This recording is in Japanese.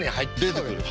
出てくる。